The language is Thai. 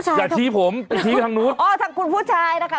ซื้อให้มันต้องมีในกล่องไว้ล่ะ